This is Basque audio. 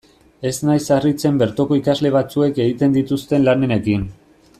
Ez naiz harritzen bertoko ikasle batzuek egiten dituzten lanenekin.